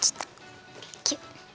キュッ。